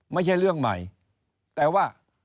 ไม่ใช่เรื่องใหม่แต่ว่า